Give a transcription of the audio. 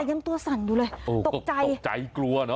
ยังตัวสั่นอยู่เลยตกใจตกใจกลัวเนอ